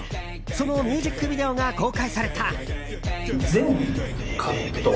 そのミュージックビデオが公開された。